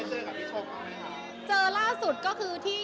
นี่หนึ่งพูดคุยกันก่อนระหว่างขอบคุณบางอย่างอะไร